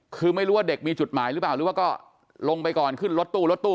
คือไม่รู้ว่าเด็กมีจุดหมายหรือเปล่าหรือว่าก็ลงไปก่อนขึ้นรถตู้รถตู้